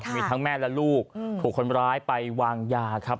มีทั้งแม่และลูกถูกคนร้ายไปวางยาครับ